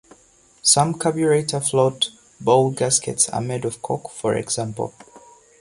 Some carburetor float bowl gaskets are made of cork, for example.